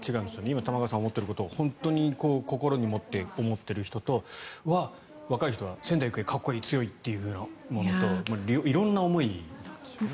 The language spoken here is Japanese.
今、玉川さんが思っていることを本当に心に思っている人と若い人は仙台育英かっこいい強いというものと色んな思いなんですよね。